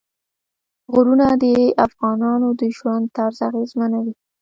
غرونه د افغانانو د ژوند طرز اغېزمنوي.